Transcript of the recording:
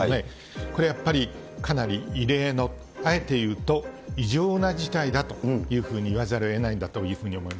これ、やっぱりかなり異例の、あえて言うと、異常な事態だというふうに言わざるをえないんだというふうに思い